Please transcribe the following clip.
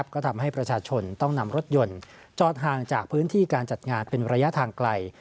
ก็ทำให้ประชาชนต้องนำรถยนต์จอดห่างจากพื้นที่การจัดงานเป็นระยะทางไกล